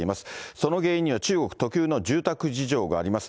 その原因には中国特有の住宅事情があります。